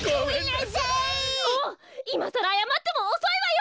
いまさらあやまってもおそいわよ！